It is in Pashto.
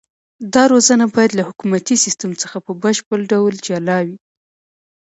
دا روزنه باید له حکومتي سیستم څخه په بشپړ ډول جلا وي.